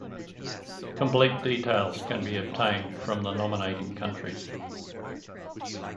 Complete details can be obtained from the nominating countries.